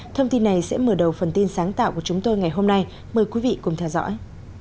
thông tin này sẽ mở đầu phần tin sáng tạo của chúng tôi ngày hôm nay mời quý vị cùng theo dõi